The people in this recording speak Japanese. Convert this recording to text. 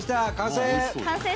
完成！